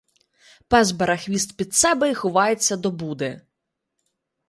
Пес бере хвіст під себе і ховається до буди.